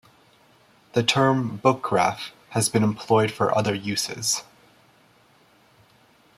The term "book-graph" has been employed for other uses.